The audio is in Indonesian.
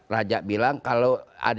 raja bilang kalau ada